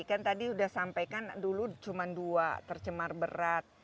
kan tadi sudah sampaikan dulu cuma dua tercemar berat